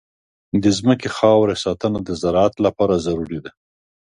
د ځمکې د خاورې ساتنه د زراعت لپاره ضروري ده.